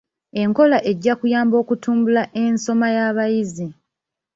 Enkola ejja kuyamba okutumbula ensoma y'abayizi.